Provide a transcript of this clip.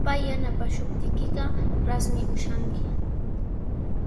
Pay yanapaashuptiykiqa rasmi ushanki.